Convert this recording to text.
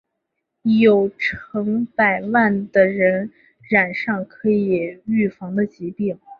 有成百万的人染上可以预防的疾病。